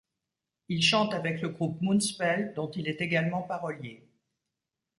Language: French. Il chante avec le groupe Moonspell, dont il est également parolier.